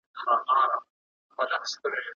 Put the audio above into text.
¬ ادم خان دي په خيال گوروان درځي.